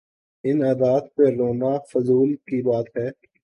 تو دیکھ کہ کیا رنگ ہے تیرا مرے آگے